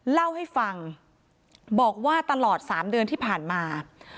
เล่าให้ฟังบอกว่าตลอด๓เดือนที่ผ่านมา